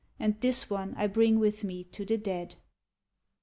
And this one I bring with me to the dead."